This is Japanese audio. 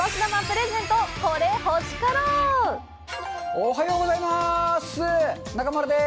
おはようございまっす！